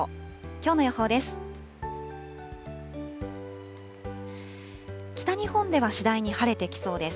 きょうの予報です。